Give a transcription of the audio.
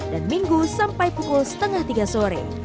dan minggu sampai pukul setengah tiga sore